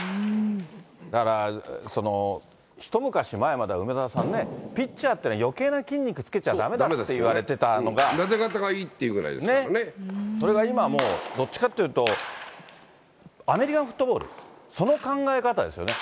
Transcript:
だから、一昔前までは、梅沢さんね、ピッチャーっていうのはよけいな筋肉をつけちゃだめだっていわれなで肩がいいっていうぐらいそれが今はもうどっちかっていうと、アメリカンフットボール、その考え方ですよね。